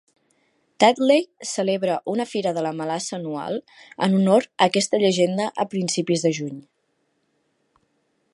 Tadley celebra una "Fira de la melassa" anual en honor a aquesta llegenda a principis de juny.